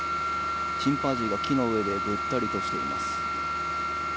チンパンジーが木の上でぐったりとしています。